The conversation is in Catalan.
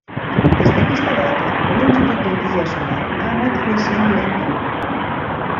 Des d'aquesta data, la longitud del dia solar ha anat creixent lentament.